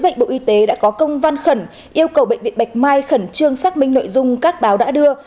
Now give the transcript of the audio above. bộ y tế đã có công văn khẩn yêu cầu bệnh viện bạch mai khẩn trương xác minh nội dung các báo đã đưa